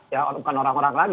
ya bukan orang orang lagi